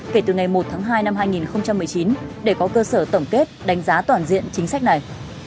kể từ ngày một tháng hai năm hai nghìn một mươi chín để có cơ sở tổng kết đánh giá toàn diện chính sách này